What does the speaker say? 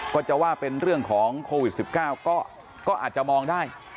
ก็จะว่าเป็นเรื่องของโควิด๑๙ก็อาจจะมองได้